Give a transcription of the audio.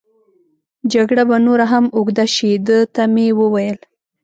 جګړه به نوره هم اوږد شي، ده ته مې وویل.